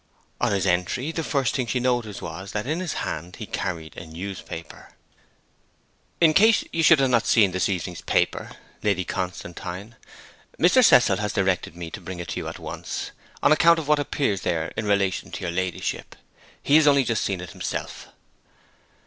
On his entry the first thing she noticed was that in his hand he carried a newspaper. 'In case you should not have seen this evening's paper, Lady Constantine, Mr. Cecil has directed me to bring it to you at once, on account of what appears there in relation to your ladyship. He has only just seen it himself.'